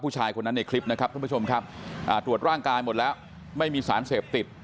ผู้ชายคนนั้นในคลิปนะครับท่านผู้ชมครับอ่าตรวจร่างกายหมดแล้วไม่มีสารเสพติด